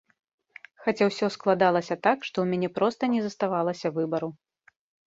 Хаця ўсё складалася так, што ў мяне проста не заставалася выбару.